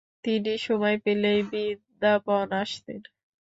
তিনি সময় পেলেই বৃন্দাবন আসতেন।